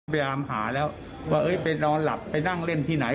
พยายามหาแล้วว่าไปนอนหลับไปนั่งเล่นที่ไหน